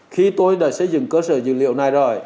khi tôi đã xây dựng cơ sở dữ liệu này rồi